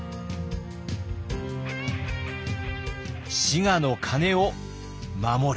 滋賀の鐘を守る。